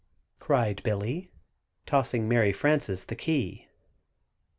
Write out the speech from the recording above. cried Billy, tossing Mary Frances the key.